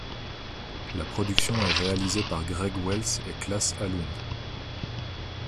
La production est réalisée par Greg Wells et Klas Åhlund.